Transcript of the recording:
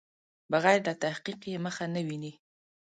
بغیر له تحقیق یې مخه نه ویني.